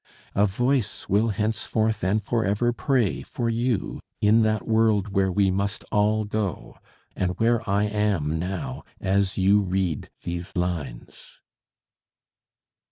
A voice will henceforth and forever pray for you in that world where we must all go, and where I am now as you read these lines.